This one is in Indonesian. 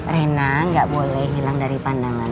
rena nggak boleh hilang dari pandangan